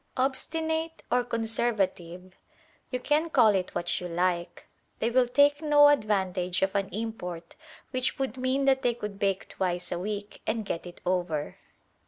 Obstinate or conservative you can call it which you like they will take no advantage of an import which would mean that they could bake twice a week and get it over.